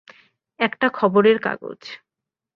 একটা খবরের কাগজ।